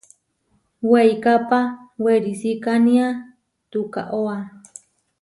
Weikápa werisikánia tukaóa.